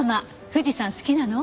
富士山好きなの？